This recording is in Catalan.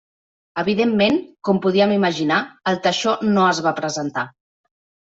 Evidentment, com podíem imaginar, el teixó no es va presentar.